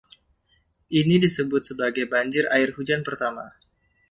Ini disebut sebagai banjir air hujan pertama.